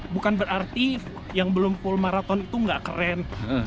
bukan berarti yang belum full marathon itu nggak keren